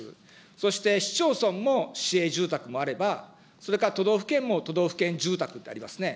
そして市町村も市営住宅もあれば、それから都道府県も都道府県住宅ってありますね。